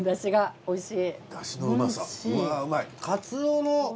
おいしい！